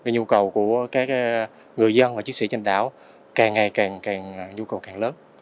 nhu cầu của các người dân và chức sĩ trên đảo càng ngày càng lớn